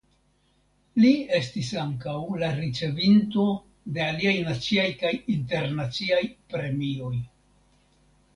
Li estis ankaŭ la ricevinto de aliaj naciaj kaj internaciaj premioj.